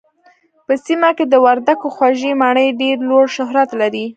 په سيمه کې د وردګو خوږې مڼې ډېر لوړ شهرت لري